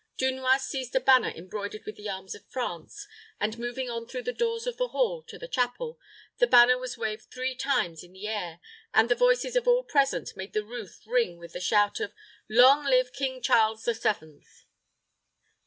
Dunois seized a banner embroidered with the arms of France, and moving on through the doors of the hall into the chapel, the banner was waved three times in the air, and the voices of all present made the roof ring with the shout of, "Long live King Charles the Seventh!"